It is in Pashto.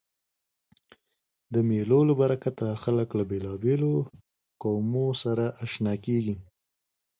د مېلو له برکته خلک له بېلابېلو قومو سره آشنا کېږي.